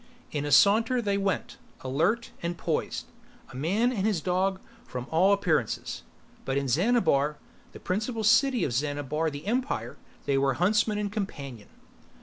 In a saunter they went, alert and poised. A man and his dog from all appearances. But in Xanabar, the principal city of Xanabar the Empire they were huntsman and companion.